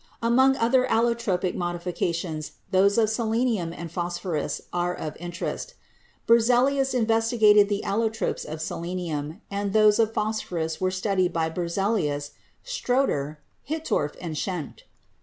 Among other allotropic modifications those of selenium and phosphorus are of interest. Berzelius investigated the allotropes of selenium, and those of phosphorus were studied by Berzelius, Schrotter, Hittorf and Schenck.